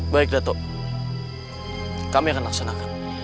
baik dato kami akan laksanakan